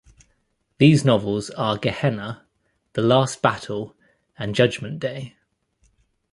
These novels are "Gehenna", "The Last Battle", and "Judgment Day".